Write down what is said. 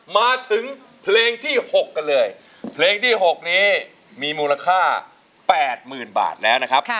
มาถึงเพลงที่๖กันเลยเพลงที่๖นี้มีมูลค่า๘๐๐๐บาทแล้วนะครับ